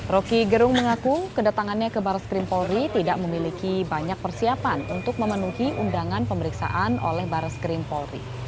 roky gerung mengaku kedatangannya ke baris krim polri tidak memiliki banyak persiapan untuk memenuhi undangan pemeriksaan oleh barres krim polri